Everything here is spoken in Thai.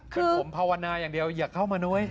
เป็นผมภาวนาอย่างเดียวอย่าเข้ามานุ้ย